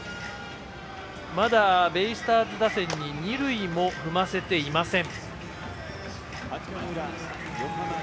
まだベイスターズ打線に、二塁も踏ませていません。